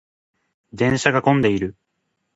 電車が混んでいる。